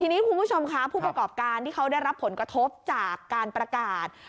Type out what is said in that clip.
ทีนี้คุณผู้ชมค่ะผู้ประกอบการที่เขาได้รับผลกระทบจากการประกาศ